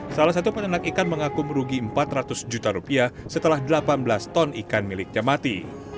salah satu peternak ikan mengaku merugi empat ratus juta rupiah setelah delapan belas ton ikan miliknya mati